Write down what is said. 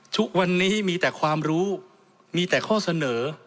ทุกวันนี้มีแต่ความรู้มีแต่ข้อเสนอ